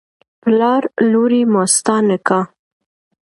پلار: لورې ماستا نکاح